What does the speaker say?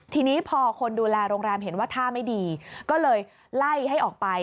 ทีนี้พอคนดูแลโรงแรมเห็นว่าท่าไม่ดีก็เลยไล่ให้ออกไป